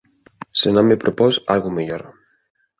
Se non me propós algo mellor.